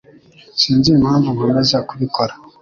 Sinzi impamvu nkomeza kubikora